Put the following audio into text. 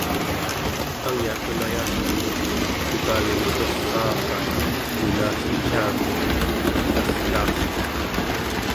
angyakun ayallermini cukaluni levaara nunallicami ikig'artaartuq